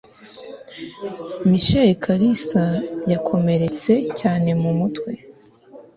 michael kalisa, yakomeretse cyane mu mutwe